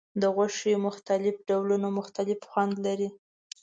د غوښې مختلف ډولونه مختلف خوند لري.